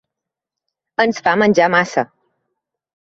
Ens fa menjar massa.